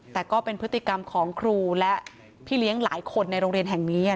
แต่ก็เป็นพฤติกรรมของครูและพี่เลี้ยงหลายคนในโรงเรียนแห่งนี้